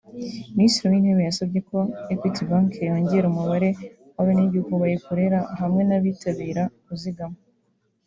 Minisitiri w’Intebe yasabye ko Equity bank yongera umubare w’abenegihugu bayikorera hamwe n’abitabira kuzigama